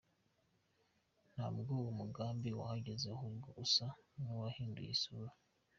Ntabwo uwo mugambi wahagaze ahubwo usa n’uwahinduye isura.